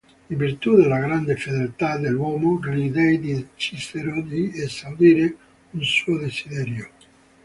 In virtù della grande fedeltà dell'uomo, gli dei decisero di esaudire un suo desiderio.